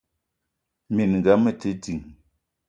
Minga mete ding.